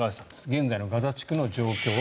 現在のガザ地区の状況。